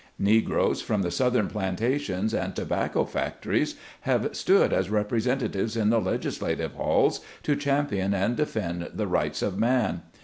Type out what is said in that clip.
Negroes, from the southern plantations and tobacco factories, have stood as representatives in the legislative halls, to champion and defend the rights of man.